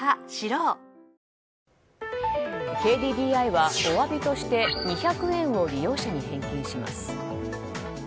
ＫＤＤＩはおわびとして２００円を利用者に返金します。